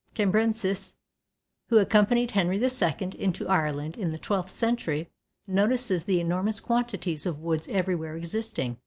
Cambrensis, who accompanied Henry II. into Ireland in the twelfth century, notices the enormous quantities of woods everywhere existing.